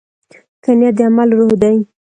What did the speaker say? ښه نیت د عمل روح دی.